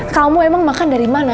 kamu emang makan dari mana